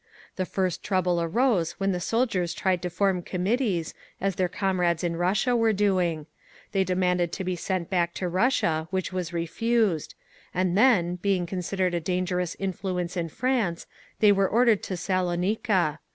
The first trouble arose when the soldiers tried to form Committees, as their comrades in Russia were doing. They demanded to be sent back to Russia, which was refused; and then, being considered a dangerous influence in France, they were ordered to Salonika.